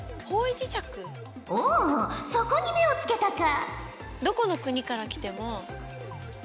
おおそこに目をつけたか！